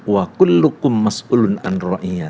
wakullukum mas'ulun an ro'iyati